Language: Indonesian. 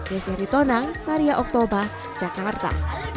iesr hitona maria oktober jakarta